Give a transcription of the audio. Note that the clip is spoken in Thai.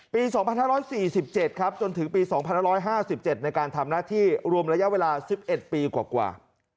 ปี๒๕๔๗ครับจนถึงปี๒๕๕๗ในการทำหน้าที่รวมระยะเวลา๑๑ปีกว่า